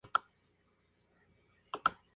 Esto puede ser en centros de día.